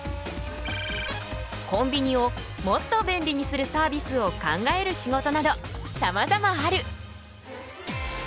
コンビニをもっと便利にするサービスを考える仕事などさまざまある。